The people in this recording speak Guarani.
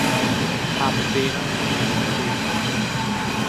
Ha pévantema hemby.